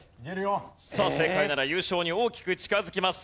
さあ正解なら優勝に大きく近づきます。